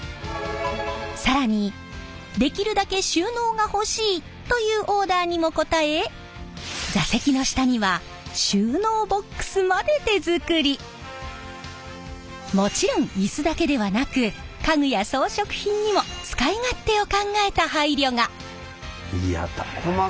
更にできるだけ収納が欲しいというオーダーにも応え座席の下にはもちろんイスだけではなく家具や装飾品にも使い勝手を考えた配慮が。